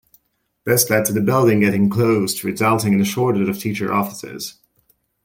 This led to the building getting closed, resulting in a shortage of teacher offices.